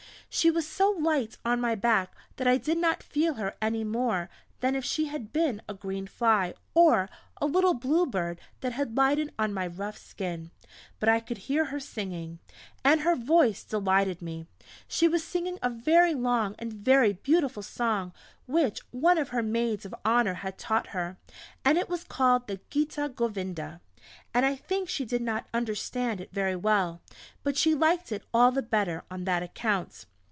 She was so light on my back that I did not feel her any more than if she had been a green fly, or a little blue bird that had lighted on my rough skin. But I could hear her singing and her voice delighted me. She was singing a very long and very beautiful song which one of her Maids of Honour had taught her; it was called the "Gita Govinda" and I think she did not understand it very well, but she liked it all the better on that account.